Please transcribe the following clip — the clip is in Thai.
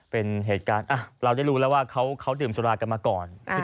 เป็นเหตุการณ์เราได้รู้แล้วว่าเขาดื่มสุรากันมาก่อน